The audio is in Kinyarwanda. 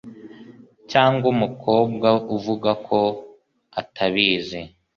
cyangwa umukobwa uvuga ko atabizi